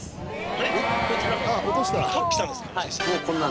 あれ？